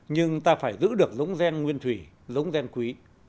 nhưng ta phải giữ được giống gen nguyên thủy giống gen quý